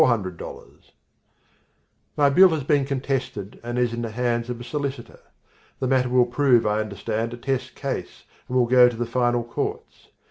00 My bill has been contested and is in the hands of a solicitor. The matter will prove, I understand, a test case and will go to the final courts.